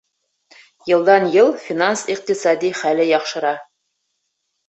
Йылдан-йыл финанс-иҡтисади хәле яҡшыра.